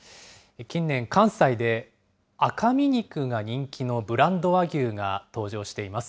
近年、関西で赤身肉が人気のブランド和牛が登場しています。